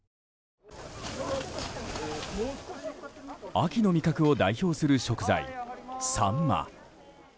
秋の味覚を代表する食材サンマ。